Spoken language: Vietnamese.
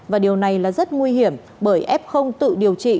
và điều này là rất nguy hiểm bởi f không tự điều trị